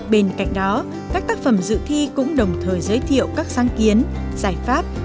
bên cạnh đó các tác phẩm dự thi cũng đồng thời giới thiệu các sáng kiến giải pháp